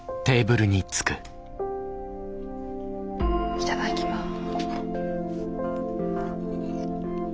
いただきます。